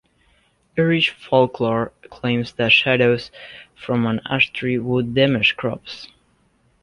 Irish folklore claims that shadows from an ash tree would damage crops.